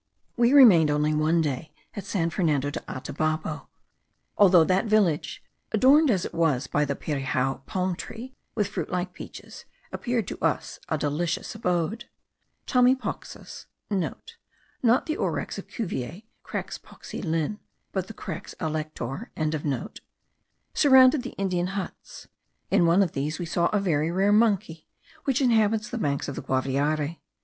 We remained only one day at San Fernando de Atabapo, although that village, adorned as it was by the pirijao palm tree, with fruit like peaches, appeared to us a delicious abode. Tame pauxis* (* Not the ourax of Cuvier, Crax pauxi Linn., but the Crax alector.) surrounded the Indian huts; in one of which we saw a very rare monkey, which inhabits the banks of the Guaviare.